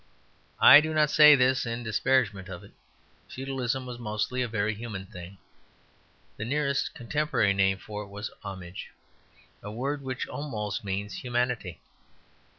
I do not say this in disparagement of it. Feudalism was mostly a very human thing; the nearest contemporary name for it was homage, a word which almost means humanity.